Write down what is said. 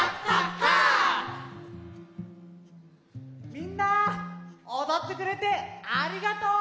みんなおどってくれてありがとう！